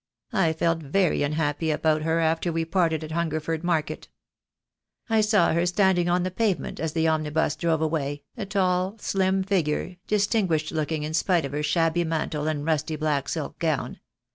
I felt very unhappy about her after we parted at Hungerford Market. I saw her standing on the pavement as the omnibus drove away, a tall, slim figure, distinguished looking in spite of her shabby mantle and rusty black silk gown.